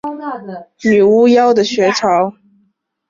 这是崔斯特从一个女巫妖的巢穴中夺得的。